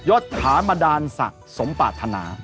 ยศถามดาลศักดิ์สมปรารถนา